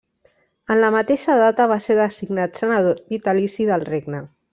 En la mateixa data va ser designat senador vitalici del Regne.